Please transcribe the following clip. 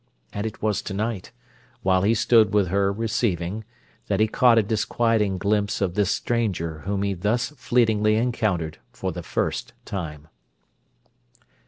And it was to night, while he stood with her, "receiving," that he caught a disquieting glimpse of this stranger whom he thus fleetingly encountered for the first time.